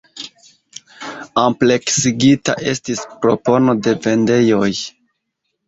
Ampleksigita estis propono de vendejoj.